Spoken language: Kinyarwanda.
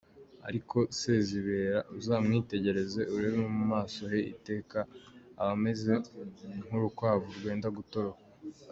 Ariko Sezibera, uzamwitegereze urebe mu maso he, iteka aba ameze nk’urukwavu rwenda gutoroka!